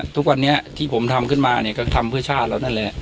ทุกวันนี้ที่ผมทำขึ้นมาเนี่ยก็ทำเพื่อชาติเรานั่นแหละ